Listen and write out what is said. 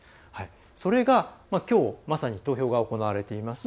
それが、きょうまさに投票が行われています